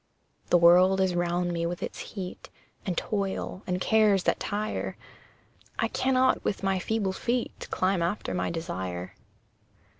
The world is round me with its heat, And toil, and cares that tire; I cannot with my feeble feet Climb after my desire.